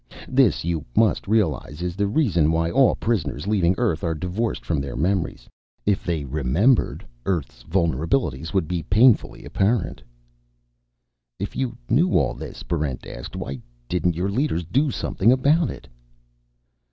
This, you must realize, is the reason why all prisoners leaving Earth are divorced from their memories. If they remembered, Earth's vulnerability would be painfully apparent." "If you knew all this," Barrent asked, "why didn't your leaders do something about it?"